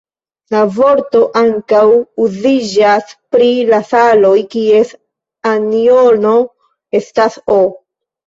La vorto ankaŭ uziĝas pri la saloj, kies anjono estas "O".